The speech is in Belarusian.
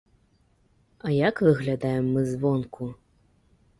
А як выглядаем мы звонку?